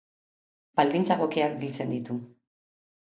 Baldintza egokiak biltzen ditu.